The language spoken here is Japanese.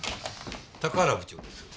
高原部長です。